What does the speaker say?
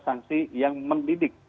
sanksi yang mendidik